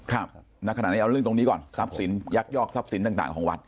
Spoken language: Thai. ครับณขณะนี้เอาเรื่องตรงนี้ก่อนซับสินยักยอกซับสินต่างของวัด